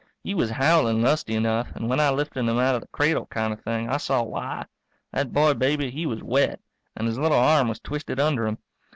He was howling lusty enough, and when I lifted him out of the cradle kind of thing, I saw why. That boy baby, he was wet, and his little arm was twisted under him.